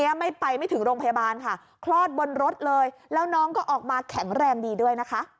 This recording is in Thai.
เออเดี๋ยวมึงเดี๋ยวพ่อตัดสายสะดื้อให้ก่อนแป๊บหน่อย